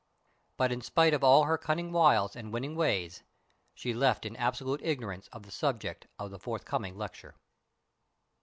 But in spite of all her cunning wiles and winning ways she left in absolute ignorance of the subject of the forthcoming lecture.